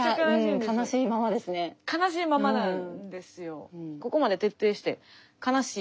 悲しいままなんですよ。